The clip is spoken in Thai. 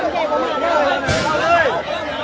ดีท้าขอบคุณทุกคน